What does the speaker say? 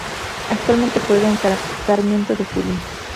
Actualmente juega en Sarmiento de Junín.